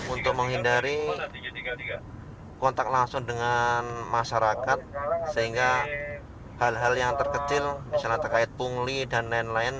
untuk menghindari kontak langsung dengan masyarakat sehingga hal hal yang terkecil misalnya terkait pungli dan lain lain